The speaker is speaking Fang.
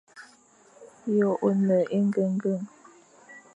Ye one engengen?